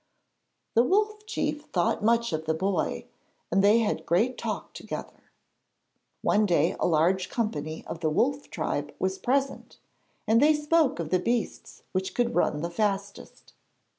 The Wolf Chief thought much of the boy, and they had great talk together. One day a large company of the Wolf tribe was present, and they spoke of the beasts which could run the fastest.